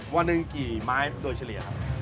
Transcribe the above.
วันหนึ่งกี่ไม้โดยเฉลี่ยครับ